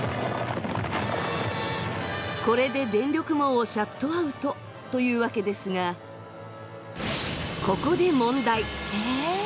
これで電力網をシャットアウト！というわけですがここで問題！